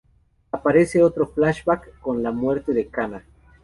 Aparece otro flashback con la muerte de Kanna.